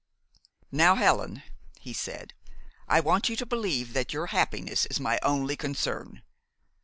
"Now, Helen," he said, "I want you to believe that your happiness is my only concern.